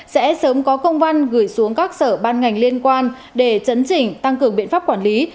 sẽ sớm có công văn gửi xuống các sở ban ngành liên quan để chấn chỉnh tăng cường biện pháp quản lý